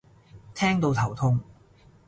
聽到頭痛